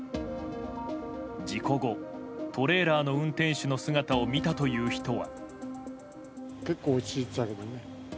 事故後、トレーラーの運転手の姿を見たという人は。